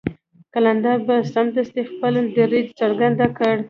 قلندر به سمدستي خپل دريځ څرګند کړ.